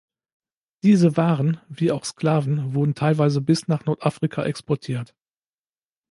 Diese Waren, wie auch Sklaven wurden teilweise bis nach Nordafrika exportiert.